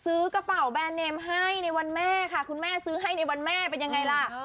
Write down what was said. ซื้อกระเป๋าแบรนดเนมให้ในวันแม่ค่ะคุณแม่ซื้อให้ในวันแม่เป็นยังไงล่ะ